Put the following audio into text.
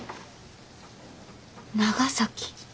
長崎。